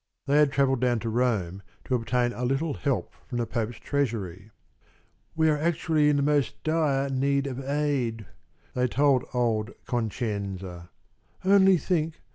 They had travelled down to Rome to obtain a little help from the Pope's treasury. "We are actually in the most dire need of aid," they told old Concenza. "Only think!